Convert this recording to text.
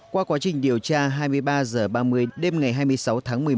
qua quá trình điều tra hai mươi ba h ba mươi đêm ngày hai mươi sáu tháng một mươi một